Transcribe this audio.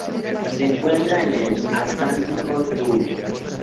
Se encuentra en el Atlántico sur.